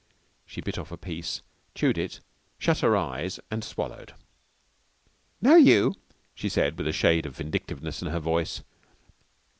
She bit off a piece, chewed it, shut her eyes and swallowed. "Now you," she said with a shade of vindictiveness in her voice.